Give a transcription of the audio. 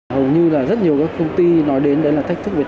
hầu như là rất nhiều các công ty nói đến đấy là thách thức này